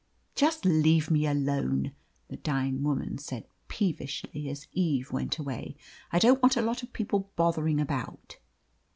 "Just leave me alone," the dying woman said peevishly as Eve went away; "I don't want a lot of people bothering about."